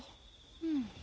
うん。